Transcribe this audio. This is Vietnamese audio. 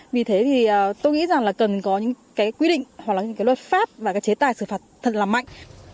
vì thế thì tôi nghĩ rằng là cần có những quy định hoặc là những luật pháp và chế tài xử phạt thật là mạnh